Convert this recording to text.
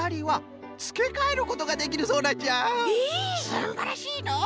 すんばらしいのう！